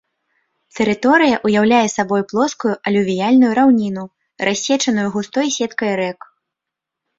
Тэрыторыя ўяўляе сабой плоскую алювіяльную раўніну, рассечаную густой сеткай рэк.